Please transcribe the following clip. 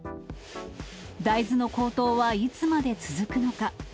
大豆の高騰はいつまで続くのか。